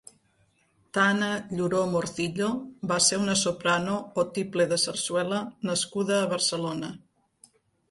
Tana Lluró Morcillo va ser una soprano o tiple de sarsuela nascuda a Barcelona.